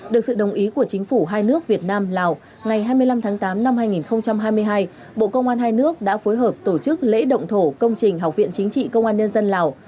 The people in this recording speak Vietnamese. được sự đồng ý của chính phủ hai nước việt nam lào ngày hai mươi năm tháng tám năm hai nghìn hai mươi hai bộ công an hai nước đã phối hợp tổ chức lễ động thổ công trình học viện chính trị công an nhân dân lào